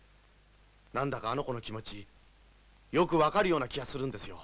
何だかあの子の気持ちよく分かるような気がするんですよ